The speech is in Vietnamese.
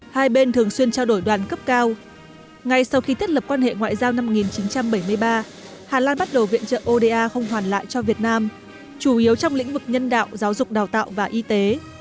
hai bên thường xuyên trao đổi đoàn cấp cao ngay sau khi thiết lập quan hệ ngoại giao năm một nghìn chín trăm bảy mươi ba hà lan bắt đầu viện trợ oda không hoàn lại cho việt nam chủ yếu trong lĩnh vực nhân đạo giáo dục đào tạo và y tế